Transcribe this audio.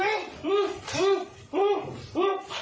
ยังไง